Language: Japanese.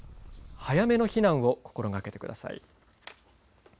早めの避難を心がけてください。